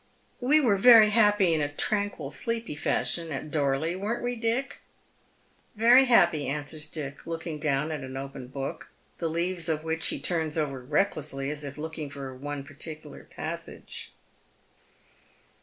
We were very happy — in a ti'anquil, sleepy f asliion — at Dorley, weren't we, Dick ?"" Very happy," answers Dick, looking down at an open book, the leaves of which he tui ns over recklessly, as if looking for me particular passage.